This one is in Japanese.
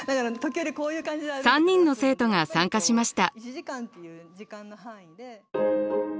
３人の生徒が参加しました。